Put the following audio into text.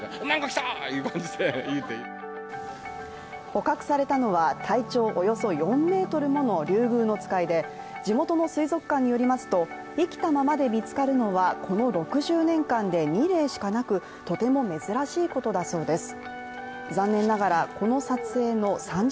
捕獲されたのは、体長およそ４ｍものリュウグウノツカイで、地元の水族館によりますと生きたままで見つかるのはこの６０年間で２例しかなくとても珍しいことだそうです。